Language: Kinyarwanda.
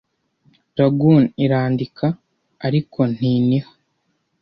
Lagoon irandika, ariko ntiniha.